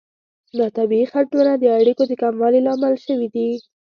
دا طبیعي خنډونه د اړیکو د کموالي لامل شوي دي.